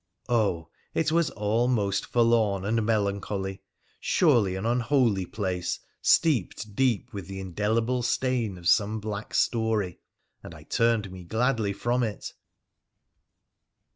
Oh ! it was all most forlorn and melancholy, surely an unholy place, steeped deep with the indelible stain of some black story — and I turned me gladly from it